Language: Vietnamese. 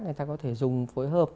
người ta có thể dùng phối hợp